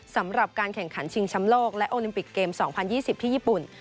สำหรับการแข่งขันชิงช้ำโลกและโอลิมปิกเกม๒๐๒๐ที่ญี่ปุ่น